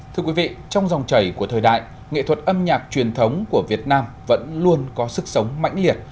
thưa quý vị trong dòng chảy của thời đại nghệ thuật âm nhạc truyền thống của việt nam vẫn luôn có sức sống mãnh liệt